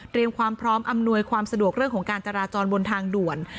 ความพร้อมอำนวยความสะดวกเรื่องของการจราจรบนทางด่วน